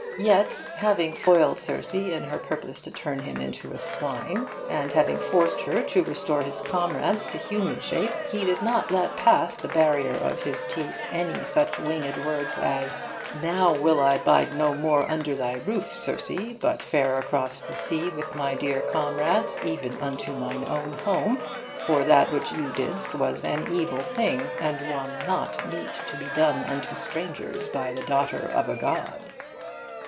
Yet, having foiled Circe in her purpose to turn him into a swine, and having forced her to restore his comrades to human shape, he did not let pass the barrier of his teeth any such winged words as 'Now will I bide no more under thy roof, Circe, but fare across the sea with my dear comrades, even unto mine own home, for that which thou didst was an evil thing, and one not meet to be done unto strangers by the daughter of a god.